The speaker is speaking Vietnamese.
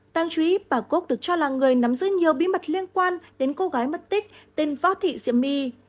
đang chú ý bà cúc được cho là người nắm giữ nhiều bí mật liên quan đến cô gái mất tích tên võ thị diễm my